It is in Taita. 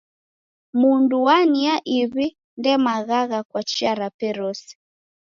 Mundu wa nia iw'i, ndemangagha kwa chia rape rose.